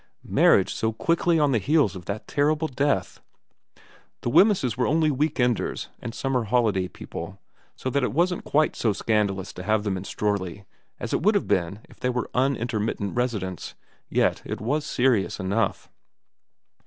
Marriage so quickly on the heels of that terrible death ? The Wemysses were only week enders and summer holiday people, so that it wasn't quite so scandalous to have them in Strorley as it would have been if they were unintermittent residents, yet it was serious enough.